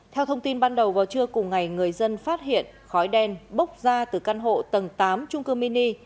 theo thông tin ban đầu vào trưa cùng ngày người dân phát hiện khói đen bốc ra từ căn hộ tầng tám trung cư mini